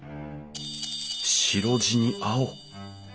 白地に青。